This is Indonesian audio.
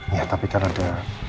iya tapi kan ada